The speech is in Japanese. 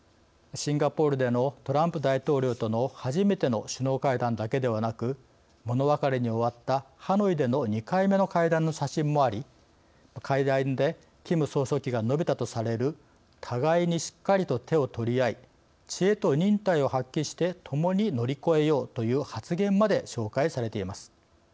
シンガポールでのトランプ大統領との初めての首脳会談だけではなく物別れに終わったハノイでの２回目の会談の写真もあり会談でキム総書記が述べたとされる「互いにしっかりと手を取り合い知恵と忍耐を発揮して共に乗り越えよう」という発言まで紹介されています。